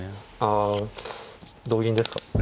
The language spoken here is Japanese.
あ同銀ですか。